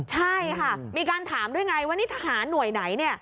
ใช่ค่ะมีการถามด้วยไงว่านี่ทหารหน่วยไหน